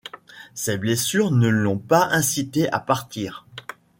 Ses blessures ne l'ont pas incité à partir.